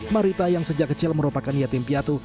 marita yang sejak kecil merupakan yatim piatu